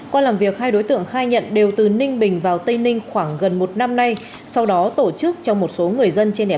qua làm việc hai đối tượng khai nhận đều từ ninh bình vào tây ninh khoảng gần một năm nay